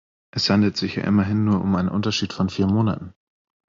Es handelt sich ja immerhin nur um einen Unterschied von vier Monaten.